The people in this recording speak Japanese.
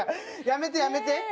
やめてやめて。